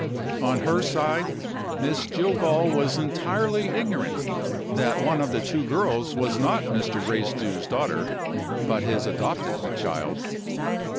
On her side, Miss Jillgall was entirely ignorant that one of the two girls was not Mr. Gracedieu's daughter, but his adopted child.